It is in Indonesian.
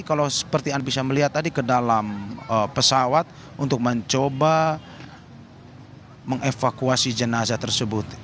kalau seperti anda bisa melihat tadi ke dalam pesawat untuk mencoba mengevakuasi jenazah tersebut